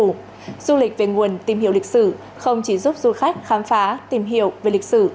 du lịch về nguồn tìm hiểu lịch sử không chỉ giúp du khách khám phá tìm hiểu về lịch sử